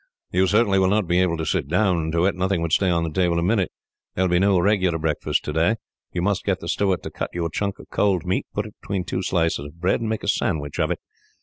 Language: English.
"You certainly will not be able to sit down to it nothing would stay on the table a minute. There will be no regular breakfast today. You must get the steward to cut you a chunk of cold meat, put it between two slices of bread, and make a sandwich of it.